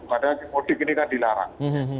padahal mudik ini kan dilarang